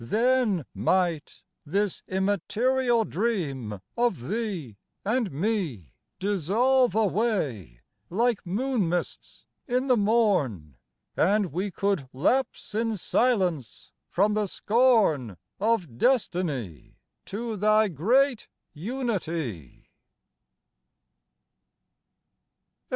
Then might This immaterial dream of Thee and Me Dissolve away like moon mists in the morn, And we could lapse in silence from the scorn Of Destiny to thy great unity.